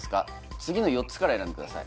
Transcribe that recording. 次の４つから選んでください